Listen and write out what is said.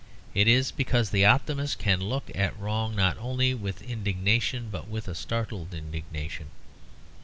It is because the optimist can look at wrong not only with indignation, but with a startled indignation.